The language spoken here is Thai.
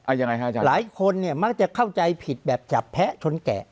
ยังไงฮะอาจารย์หลายคนเนี่ยมักจะเข้าใจผิดแบบจับแพะชนแกะ